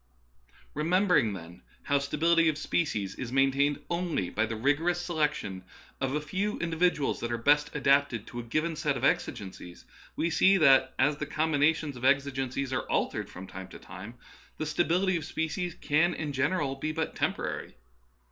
Re membering, then, how stability of species is main tained only by the rigorous selection of a few in dividuals that are best adapted to a given set of exigencies, we see that, as the combinations of exigencies are altered from time to time, the sta bility of species can in general be but temporary.